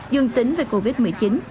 dương tính với cổng